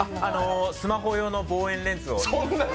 スマホ用の望遠レンズを。